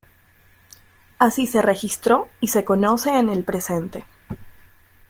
Así se registró y se conoce en el presente.